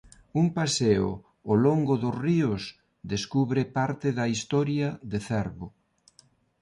Un paseo o longo dos ríos descubre parte da historia de Cervo.